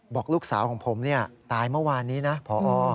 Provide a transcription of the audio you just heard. บอกลูกสาวของผมตายเมื่อวานนี้นะพอ